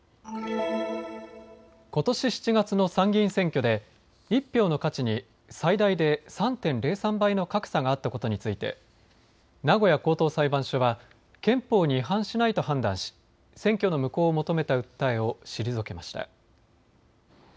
ことし７月の参議院選挙で１票の価値に最大で３．０３倍の格差があったことについて名古屋高等裁判所は憲法に違反しないと判断し選挙の無効を求めた訴えを退けました。